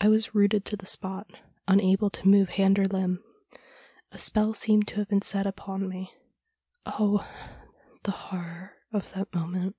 I was rooted to the spot, unable to move hand or limb. A spell seemed to have been set upon me. Oh! the horror of that moment!